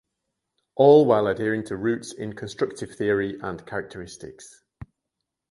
All while adhering to roots in constructive theory and characteristics.